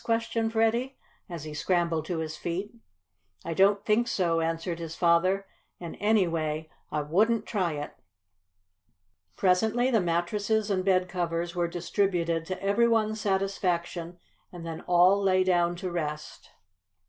questioned Freddie, as he scrambled to his feet. "I don't think so," answered his father. "And, anyway, I wouldn't try it." Presently the mattresses and bedcovers were distributed to everyone's satisfaction, and then all lay down to rest.